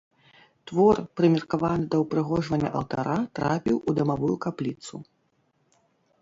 Твор, прымеркаваны да ўпрыгожвання алтара, трапіў у дамавую капліцу.